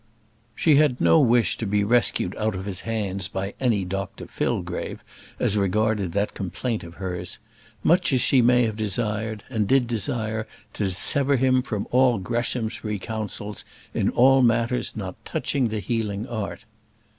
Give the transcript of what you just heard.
She had no wish to be rescued out of his hands by any Dr Fillgrave, as regarded that complaint of hers, much as she may have desired, and did desire, to sever him from all Greshamsbury councils in all matters not touching the healing art.